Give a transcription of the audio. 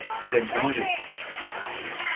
C’est le danger.